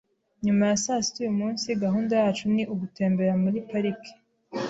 Nyuma ya sasita uyumunsi, gahunda yacu ni ugutembera muri parike .